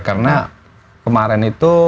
karena kemarin itu